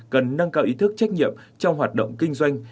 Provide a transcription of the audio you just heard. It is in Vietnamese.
cần nâng cao ý thức trách nhiệm trong hoạt động kinh doanh